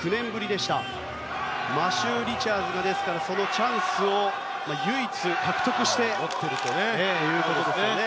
ですからマシュー・リチャーズがそのチャンスを唯一、獲得しているということですね。